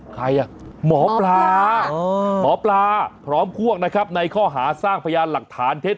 ใครอ่ะหมอปลาหมอปลาพร้อมพวกนะครับในข้อหาสร้างพยานหลักฐานเท็จ